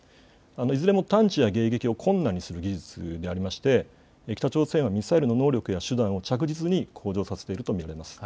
いずれも探知や迎撃を困難にする技術でありまして北朝鮮はミサイルの能力や手段を着実に向上させていると見られます。